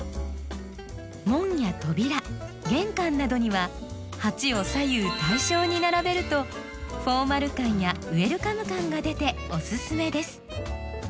門や扉玄関などには鉢を左右対称に並べるとフォーマル感やウエルカム感が出ておすすめです。